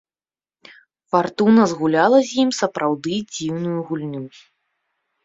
Фартуна згуляла з ім сапраўды дзіўную гульню.